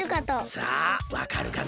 さあわかるかな？